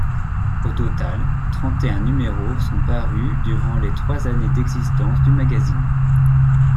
Au total, trente-et-un numéros sont parus durant les trois ans d'existence du magazine.